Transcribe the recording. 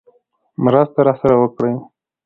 مرسته راسره وکړي.